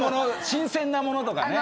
新鮮なものとかね